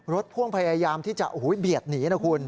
รถพ่วงพยายามเบียดหนี